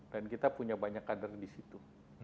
dan kita punya banyak kader di situ